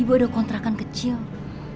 ibu gak mau nyari kontrakan kemana lagi ya bu